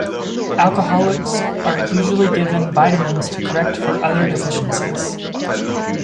Alcoholics are usually given vitamins to correct for other deficiencies.